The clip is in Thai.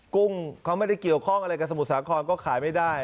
กุ้งเขาไม่ได้เกี่ยวข้องอะไรกับสมุทรสาครก็ขายไม่ได้